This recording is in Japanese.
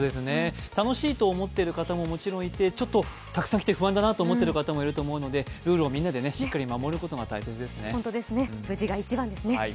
楽しいと思っている方ももちろんいてちょっとたくさん来て不安だなと思っている方もいると思うので、ルールをみんなでしっかり守ることが大切ですね。